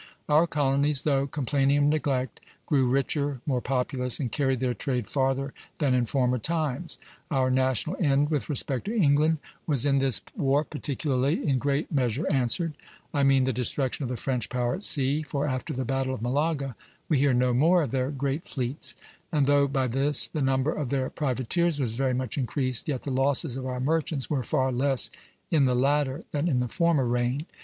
Our colonies, though complaining of neglect, grew richer, more populous, and carried their trade farther than in former times.... Our national end with respect to England was in this war particularly in great measure answered, I mean the destruction of the French power at sea, for, after the battle of Malaga, we hear no more of their great fleets; and though by this the number of their privateers was very much increased, yet the losses of our merchants were far less in the latter than in the former reign....